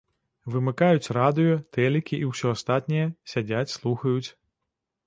Вымыкаюць радыё, тэлікі і ўсё астатняе, сядзяць слухаюць.